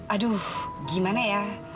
aduh gimana ya